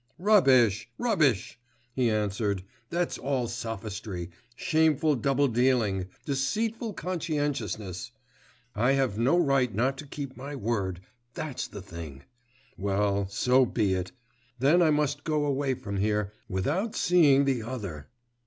Rubbish! rubbish!' he answered, 'that's all sophistry, shameful double dealing, deceitful conscientiousness; I have no right not to keep my word, that's the thing. Well, so be it.... Then I must go away from here, without seeing the other....